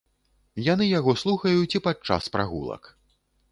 Яны яго слухаюць і падчас прагулак.